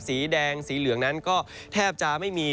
สีแดงสีเหลืองนั้นก็แทบจะไม่มี